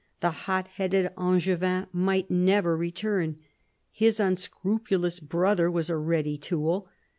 The hot headed Angevin might never return. His unscrupulous brother was a ready tool.